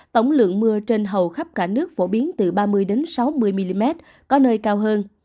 tổng lượng mưa trên hầu khắp cả nước phổ biến từ ba mươi sáu mươi mm có nơi cao hơn